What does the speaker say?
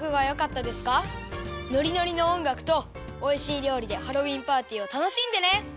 ノリノリのおんがくとおいしいりょうりでハロウィーンパーティーをたのしんでね！